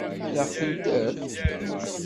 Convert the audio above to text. Ad ɣ-ten-tefk?